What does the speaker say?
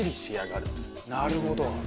なるほど。